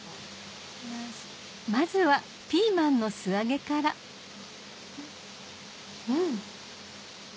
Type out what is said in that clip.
まずはピーマンの素揚げからうん。